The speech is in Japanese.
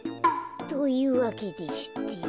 というわけでして。